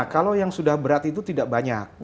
kalau yang sudah berat itu tidak banyak